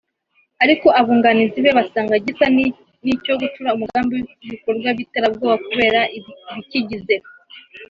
ariko Abunganizi be basanga gisa n’icyo gucura umugambi w’ibikorwa by’iterabwoba kubera ibikigize